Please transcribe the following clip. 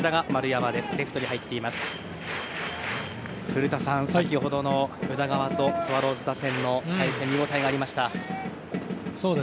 古田さん、先ほどの宇田川とスワローズ打線の対戦見応えがありました。